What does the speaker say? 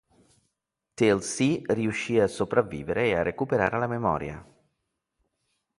Teal'c riuscì a sopravvivere e a recuperare la memoria.